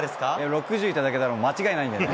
６０頂けたら間違いないんでね。